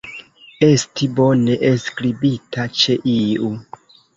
Esti bone enskribita ĉe iu.